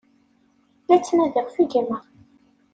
La ttnadiɣ ɣef gma.